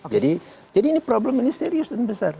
jadi ini problem serius dan besar